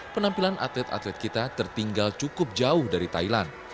penampilan atlet atlet kita tertinggal cukup jauh dari thailand